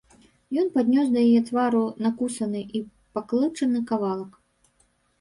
Ён паднёс да яе твару накусаны і паклычаны кавалак.